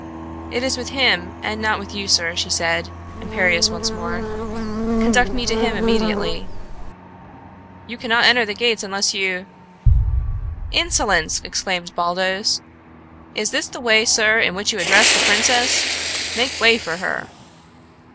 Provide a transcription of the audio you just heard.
"It is with him and not with you, sir," she said, imperious once more. "Conduct me to him immediately." "You cannot enter the gates unless you " "Insolence!" exclaimed Baldos. "Is this the way, sir, in which you address the princess? Make way for her."